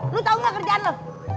lo tau gak kerjaan lo